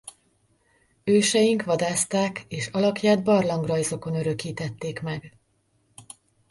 Őseink vadászták és alakját barlangrajzokon örökítették meg.